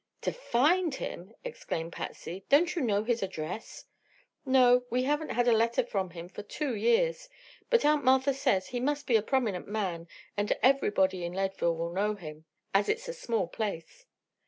"To find him!" exclaimed Patsy. "Don't you know his address?" "No; we haven't had a letter from him for two years. But Aunt Martha says he must be a prominent man, and everybody in Leadville will know him, as it's a small place."